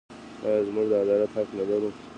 آیا موږ د عدالت حق نلرو؟